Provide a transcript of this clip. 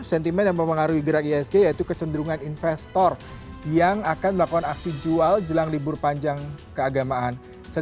sentimen yang mempengaruhi gerak isg yaitu kecenderungan investor yang akan melakukan aksi jual jelang libur panjang keagamaan